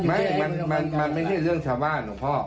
มันไม่ใช่เรื่องชาวบ้านลูกพ่อ